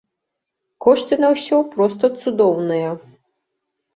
Кошты на ўсё проста цудоўныя.